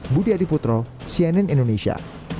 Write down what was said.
budi adiputro cnn indonesia